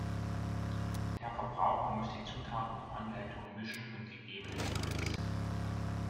Der Verbraucher muss die Zutaten nach Anleitung mischen und ggf.